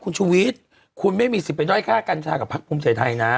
คุณชูวิทย์คุณไม่มีสิทธิ์ไปด้อยค่ากัญชากับพักภูมิใจไทยนะ